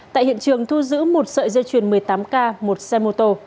tại hiện trường thu giữ một sợi dây chuyền một mươi tám k một xe mô tô